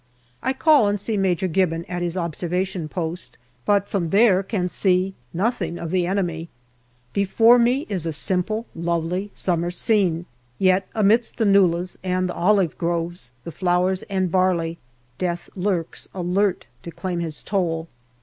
I call and see Major Gibbon at his observation post, but from there can see nothing of the enemy. Before me is a simple, lovely summer scene ; yet amidst the nullahs and the olive groves, the flowers and barley, Death lurks, alert to claim his toll.